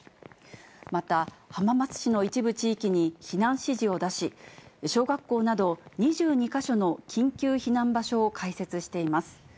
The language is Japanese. また、浜松市の一部地域に避難指示を出し、小学校など２２か所の緊急避難場所を開設しています。